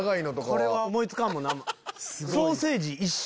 これは思い付かんもんな。